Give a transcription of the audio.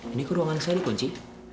ini ke ruangan saya nih kunci